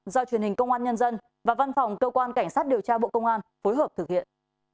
do truyền hình công an nhân dân và văn phòng cơ quan cảnh sát điều tra bộ công an phối hợp thực hiện